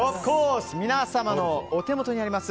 皆様のお手元にあります